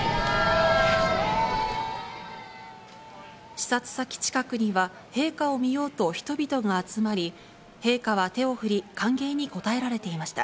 視察先近くには、陛下を見ようと人々が集まり、陛下は手を振り、歓迎に応えられていました。